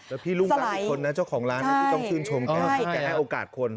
แล้วพี่รุ่งรัฐอีกคนนะเจ้าของร้านนะพี่ต้องชื่นชมแกที่แกให้โอกาสคน